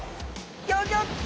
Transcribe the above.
ギョギョッと！